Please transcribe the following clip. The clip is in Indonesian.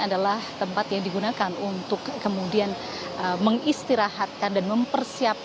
selamat siang farhanisa